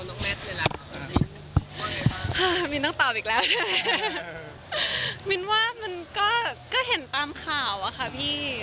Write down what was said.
น้องแมทเลยล่ะมีนต้องตอบอีกแล้วใช่ไหมมีนว่ามันก็ก็เห็นตามข่าวอะค่ะพี่